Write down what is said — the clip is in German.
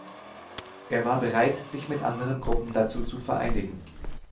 Er war bereit, sich mit anderen Gruppen dazu zu vereinigen.